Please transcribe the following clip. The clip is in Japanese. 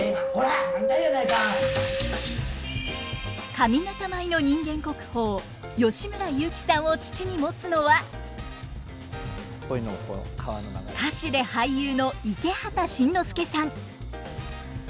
上方舞の人間国宝吉村雄輝さんを父に持つのは歌手で俳優の池畑慎之介さん。